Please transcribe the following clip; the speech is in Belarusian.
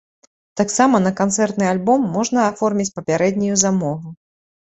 Таксама на канцэртны альбом можна аформіць папярэднюю замову.